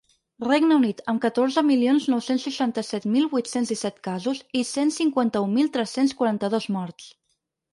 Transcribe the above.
Regne Unit, amb catorze milions nou-cents seixanta-set mil vuit-cents disset casos i cent cinquanta-un mil tres-cents quaranta-dos morts.